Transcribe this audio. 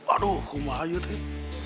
aduh kok bahaya teh